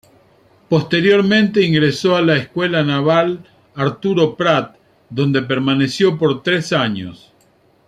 Posteriormente ingresó a la Escuela Naval Arturo Prat donde permaneció por tres años.